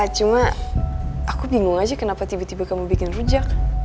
cuma aku bingung aja kenapa tiba tiba kamu bikin rujak